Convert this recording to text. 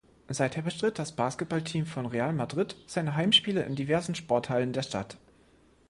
Seither bestritt das Basketballteam von Real Madrid seine Heimspiele in diversen Sporthallen der Stadt.